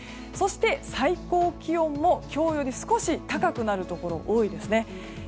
そして、最高気温も今日より少し高くなるところ多いです。